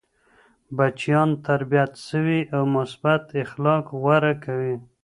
بچيان تربیت سوي او مثبت اخلاق غوره کوي.